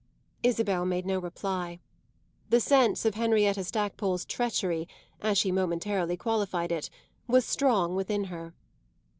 Isabel made no reply; the sense of Henrietta Stackpole's treachery, as she momentarily qualified it, was strong within her.